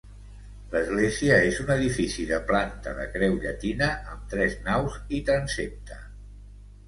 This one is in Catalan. L'església és un edifici de planta de creu llatina amb tres naus i transsepte.